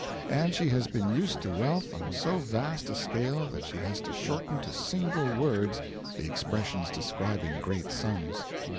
And she has been used to wealth on so vast a scale that she has to shorten to single words the expressions describing great sums.